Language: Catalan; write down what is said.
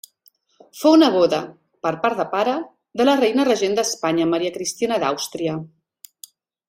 Fou neboda, per part de pare, de la reina regent d'Espanya Maria Cristina d'Àustria.